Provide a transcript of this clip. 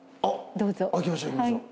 どうぞ。